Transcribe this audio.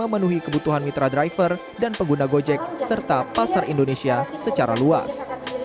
dan memenuhi kebutuhan mitra driver dan pengguna gojek serta pasar indonesia secara luas